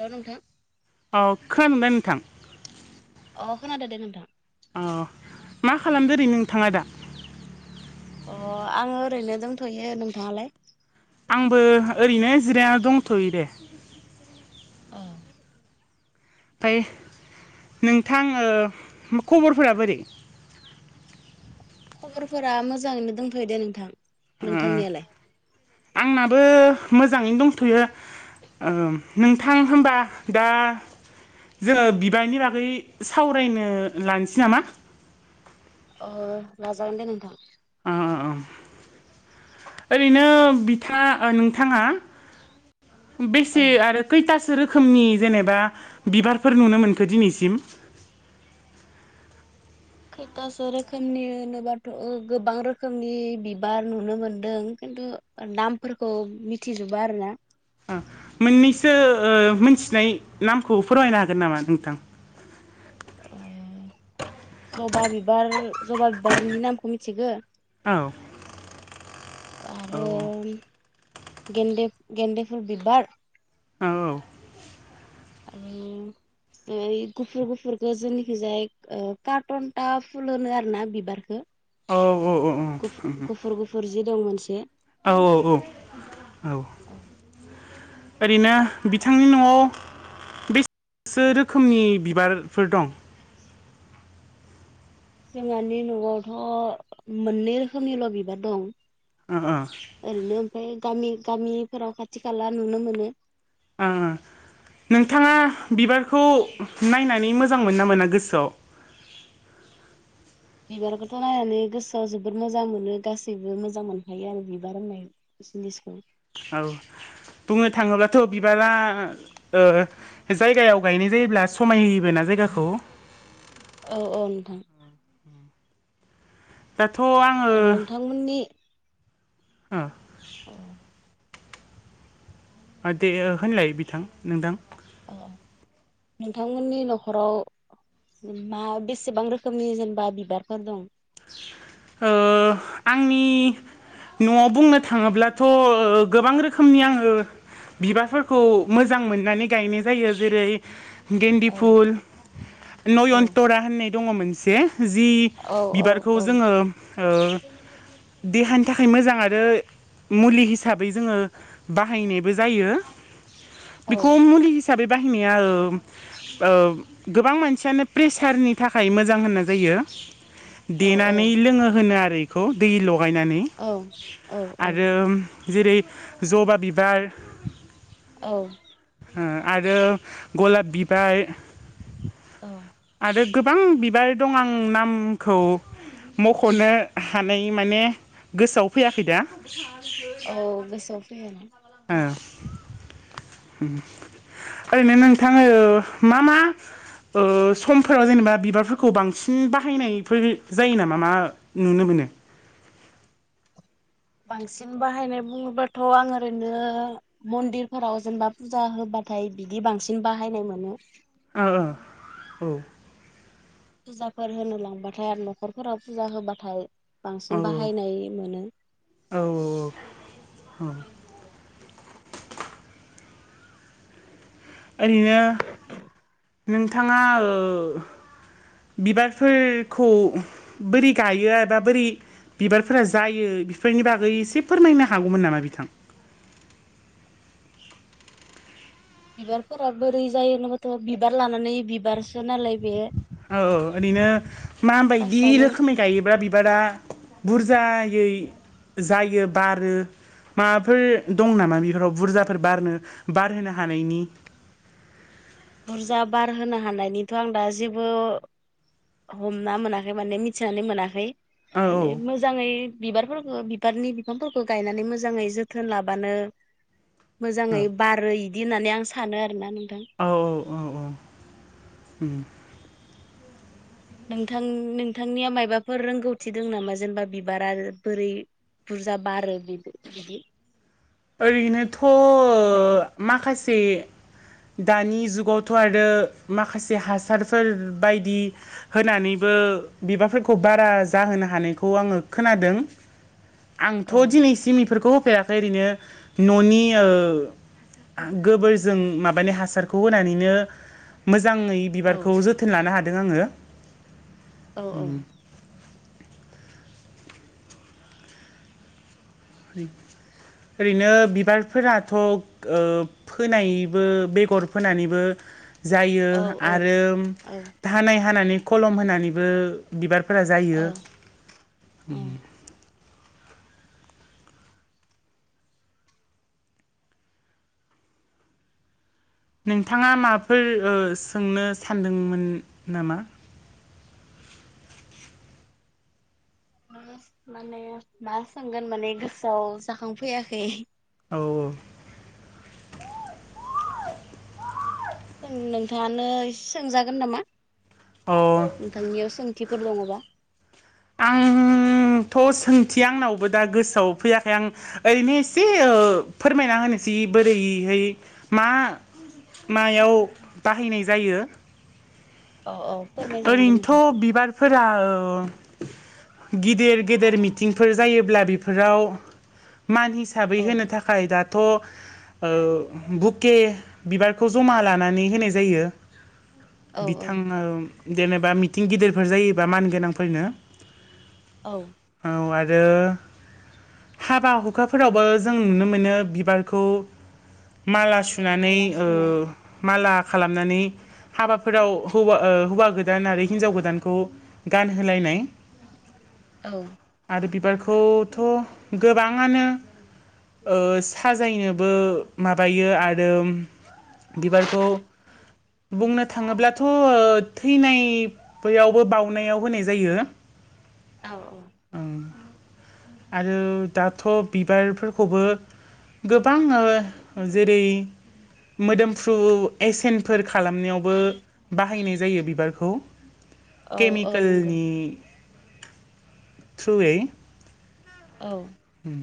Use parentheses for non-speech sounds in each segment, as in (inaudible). हेल' नोंथां औ खोनाबाय नोंथां। अ खोनादों दे नोथां अ मा खालामदो ओरैनो नोंथांङा दा? अ आङो ओरैनो दंथ'यो नोंथांङालाय? आंबो ओरैनो जिरायना दंथ'यो दे। अ ओमफ्राय नोंथां ओ खबरफोरा बोरै? खबरफोरा मोजाङैनो दंथ'यो दे नोंथां ओ नोंथांनियालाय? आंनाबो मोजाङैनो दंथ'यो। उम नोंथां होमबा दा। जोङो बिबारनि बागै सावरायनो लानोसै नामा? अ लाजागोन दे नोंथां। ओ ओ ओरैनो बिथाङा नोंथाङा बेसे आरो खैथासो रोखोमनि जेनेबा बिबारफोर नुनो मोनखो दिनैसिम? खैथासो रोखोमनि होनोबाथ' गोबां रोखोमनि बिबार नुनो मोनदों। खिन्थु नामफोरखौ मिथिजोबा आरो ना? ओ मोननैसो मोनथिनाय नामखौ फोरमायनो हागोन नामा नोंथां? अ। जबा बिबार जबा बिबारनि नामखौ मिथिगौ। औ। औ आरो गेन्दे गेन्देफुल बिबार। औ। ओ गुफुर गुफुरखौ जोंनिखिजाय कार्टनटा फुल होनो आरो ना बिबारखो औ गुरु गुफुर गुफुर जि दं मोनसे। औ औ ओरैनो बिथांनि न'आव बेसे सो रोखोमनि बिबारफोर दं। जोंहानि न'आवथ' मोननै रोखोमनिल' बिबार दं। ओ ओ ओरैनो ओमफ्राय गामि गामिफोराव खाथि खाला नुनो मोनो। ओ। नोंथांङा बिबारखौ नायनानै मोजां मोननो ना गोसोआव। (inaudible) बिबारखौथ' नायनानै गोसोआव जोबोद मोजां मोनो गासैबो मोजां मोनखायो आरो बिबार होननाय। जिनिसखौ। औ। बुंनो थाङोब्लाथ' बिबारा ओ जायगायाव गायनाय जायोब्ला समाय होयोबो ना। जायगाखौ। औ औ नोंथां। दाथ' आङो नोंथांमोननि ओ। अ दे होनलाय बिथां नोंथां। औ नोंथांमोननि न'खराव मा बेसेबां रोखोमनि जेनेबा बिबारफोर दं? ओ आंनि न'आव बुंनो थाङोब्लाथ' गोबां रोखोमनि आङो बिबारफोरखौ मोजां मोननानै गायनाय जायो जेरै औ गेन्दिफुल औ नयनतरा होननाय दङ मोनसे जि औ बिबारखौ औ जोङो ओ देहानि थाखाय मोजां आरो मुलि हिसाबै जोङो बाहायनायबो जायो औ बेखौ मुलि हिसा हिसाबै बाहायनाया ओ ओ गोबां मानसियानो प्रेसारनि थाखाय मोजां होननाय जायो। यो औ देनानै लोङो होनो आरो इखौ दै लगायनानै औ औ आरो जेरै जबा बिबार। औ आरो गलाब बिबार औ आरो गोबां बिबार दं आं नामखौ। मख'नो हानाय माने गोसोआव फैयाखै दा। औ गोसोआव फैयो एम ओरैनो नोंथाङो मा मा। ओ समफोराव जेनेबा बिबारफोरखौ बांसिन बाहायनायफोर जायो नामा मा नुनो मोनो? नो बांसिन बाहायनाय बुङोबाथ' आं ओरैनो मन्दिरफोराव जेनेबा फुजा होबा। नाथाय बिदि बांसिन बाहायनाय मोनो ओ ओ औ फुजाफोर होनो लांबाथाय आरो न'खरफोराव फुजा होबाथाय औ बांसिन बाहायनाय मोनो। औ ओरैनो नोंथाङा बिबारफोरखौ बोरै गायो एबा बोरै। बिबारफोरा जायो बेफोरनि बागै एसे फोरमायनो हागौमोन नामा बिथां बिबारफोरा बोरै जायो नबाथ' बिबार लानानै बिबारसो नालाय बेयो औ ओरैनो माबायदि रोखोमै गायोब्ला बिबारा बुरजायै जायो बारो माबाफोर दं नामा बेफोराव बुरजाफोर बारनो बारहोनो हानायनि (inaudible) बुरजा बार होनो हानायनिथ' आं दा जेबो। हमना मोनाखै माने मिथिनानै मोनाखै औ माने मोजाङै बिबारफोरखौ बिबारनि बिफांफोरखौ गायनानै मोजाङै जोथोन लाबानो। मोजाङै औ बारो इदि होननानै आं सानो आरोना नों औ औ औ औ उम नोंथां नोंथांनिया मायबाफोर रोंगौथि दं नामा जेनेबा बिबारा बोरै बुरजा बारो बि बिदि मिथिनायाव ओरैनोथ' माखासे दानि जुगावथ' आरो माखासे हासारफोर बायदि होनानैबो ओ‌ बिबारफोरखौ बारा जाहोनो हानायखौ आङो खोनादों। आंथ' औ दिनैसिम इफोरखौ होफेराखै ओरैनो न'नि ओ गोबोरजों माबानि हासारखौ होनानैनो मो मोजाङै औ बिबारखौ जोथोन लानो हादों आङो। औ औ म (unintelligible) ओरैनो बिबारफोराथ' ओ फोनायबो बेगर फोनानैबो। जायो औ औ आरो औ दानाय हानानै खलम होनानैबो बिबार। फोरा औ जायो। उम नोंथाङा माबाफोर ओ सोंनो सानदोंमोन नामा? माने मा सोंगोन माने गोसोआव जाखांफैयाखै। औ -औ-। ओं नोंथाङानो एसे सोंजागोन नामा औ नोंथांनियाव सोंथि फोर दङबा। आं थ' सोंथि आंनावबो दा गोसोआव फैयाखै आं ओरैनो एसे ओ फोरमायना होनो जि बोरैहै मा मायाव बाहायनाय जायो। औ औ फोरमायजागोन दे नोंथां ओरैनोथ' बिबारफोरा ओ गिदिर गेदेर मिटिंफोर जायोब्ला बेफोराव मान हिसाबै औ होनो थाखाय दा थ' बुके बिबारखौ ज'मा लानानै होनाय जायो। औ औ बिथां ओ जेनेबा मिथिं गिदिरफोर जायोबा मानगोनांफोरनो। औ औ आरो हाबा हुखाफोरावबो जों नुनो मोनो बिबारखौ माला औ सुनानै माला ओ सुनाय माला खालामनानै हाबाफोराव हौवा ओ हौवा गोदान आरो हिनजाव गोदानखौ गान होलायनाय औ बिबारखौथ' गोबाङानो ओ साजायनोबो माबायो आरो बिबारखौ बुंनो थाङोब्लाथ' ओ थैनायावबो बाउनायाव होनाय जायो। औ औ ओं आरो दाथ' बिबारफोरखौबो गोबां ओ जेरै मोदोमफ्रु एसेनफोर खालामनायावबो बाहायनाय जायो बिबारखौ औ औ नंगौ केमिकेलनि थ्रुयै औ उम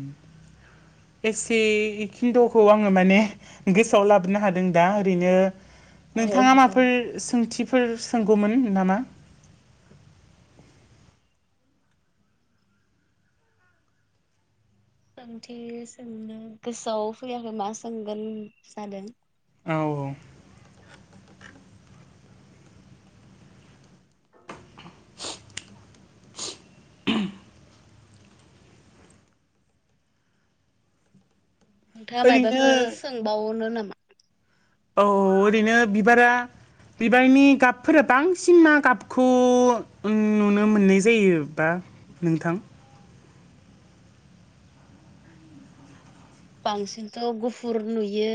एसेखिन्द'खौ आङो माने गोसोआव लाबोनो हादों दा ओरैनो औ नोंथांङा औ माबाफोर सोंथिफोर सोंगौमोन नामा? सोंथि सोंनो गोसोआव फैयाखै मा सोंगोन जादों। औ औ नोंथाङा मायबाफोर ओरैनो सोंबावनो नामा? औ ओरैनो बिबारा बिबारनि गाबफोरा बांसिन मा गाबखौ उम नुनो मोननाय जायोबा? नोंथां बांसिनथ' गुफुर नुयो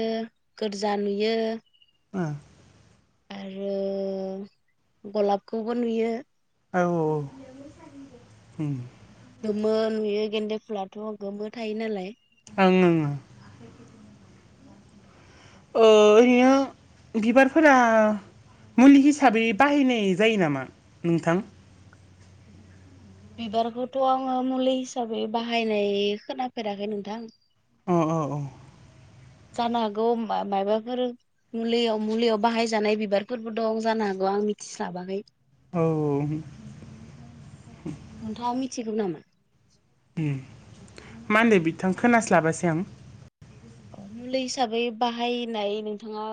गोरजा नुयो ओ आरो गलाबखौबो नुयो। औ औ ओम गोमो नुयो गेन्दे फुलाथ' गोमो थायो नालाय ओं ओं ओं ओ ओरैनो बिबारफोरा मुलि हिसाबै बाहायनाय जायो नामा नोंथां? बिबारखौथ' आङो मुलि हिसाबै बाहायनाय खोनाफेराखै नोंथां। औ औ औ जानो हागौ मा मायबाफोर मुलियाव मुलियाव बाहायजानाय बिबारफोरबो दं जानो हागौ। आं मिथिस्लाबाखै औ औ नोंथाङा मिथिगौ नामा? उम माहोनदो बिथां खोनास्लाबासै आं? औ मुलि हिसाबै बाहायनाय नोंथाङा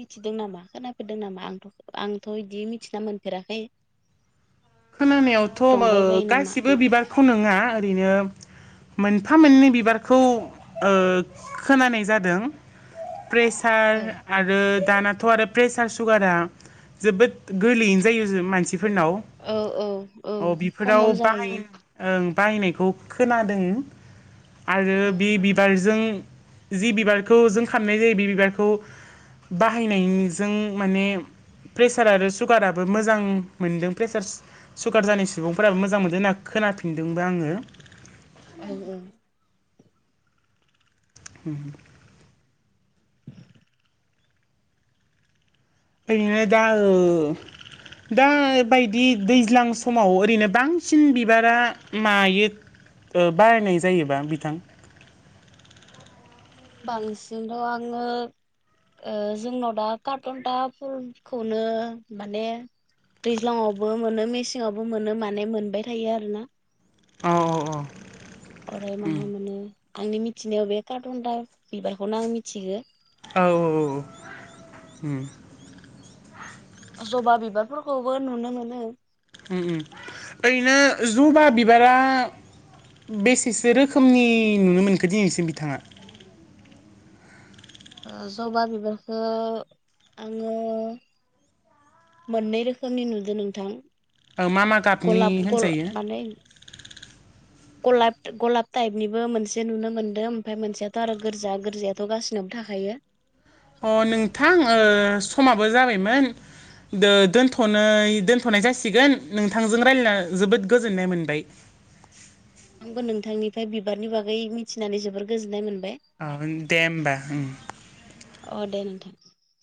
मिथिदों नामा खोनाफैदों नामा आंथ' आंथ' इदि मिथिना मोनफेराखै। खोनानायावथ' ओ दंबाय बायो नामा गासिबो बिबारखौ नङा ओरैनो मोनफा मोननै बिबारखौ खोनानाय जादों प्रेसार औ आरो। दानाथ' आरो प्रेसार सुगारा जोबोद गोरलैयैनो जायो मानसिफोरनाव औ औ औ अ कमन बेफोराव जाहैयो बाहायन ओं बायनायखौ खोनादों आरो औ बे बिबारजों। जि बिबारखौ जों खालामनाय जायो बे बिबारखौ बाहायनायजों माने प्रेसार आरो सुगाराबो मोजां मोनदों। प्रेसार सुगार जानाय सुबुंफोराबो मोजां मोनदों होनना खोनाफिनदोंबो आङो औ औ ह (unintelligible) बेयो दा ओ दा बायदि दैज्लां समाव ओरैनो बांसिन बिबारा मायो ओ बारायनाय जायोबा बिथां। बांसिनल' आङो। ओ जोंनाव दा कार्टन बा फुलखौनो माने। दैज्लङआवबो मोनो मेसेंावबो मोनो माने मोनबाय थायो आरोना। औ औ औ ओरै माहाय मोने आंनि मिथिनायाव बे कार्टन दा बिबारखौनो आं मिथियो औऔऔ जबा बिबारफोरखौबो नुनो मोनो। ओरैनो जबा बिबारा बेसेसो रोखोमनि नुनो मोनखो दिनैसिम बिथाङा? जबा बिबारखौ आङो मोननै रोखोमनि नुदों नोंथां। औ मा मा गाबनि गलाब गल होनजायो? माने (inaudible) गलाब गलाब टाइपनिबो मोनसे नुनो मोन्दों ओमफ्राय मोनसेयाथ' आरो गोरजा गोरजायाथ' गासिनबो था बाहाया अ नोंथां समाबो जाबायमोन दो दोनथ'नाय दोनथ'नाय जासिगोन नोंथांजों रायलायना जोबोद गोजोननाय मोनबाय। (inaudible) आंबो नोंथांनिफ्राय बिबारनि बागै मिथिनानै जोबोर गोजोननाय मोनबाय। औ दे होमबाओ अ दे नोंथां।